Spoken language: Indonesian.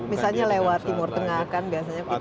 misalnya lewat timur tengah kan biasanya kita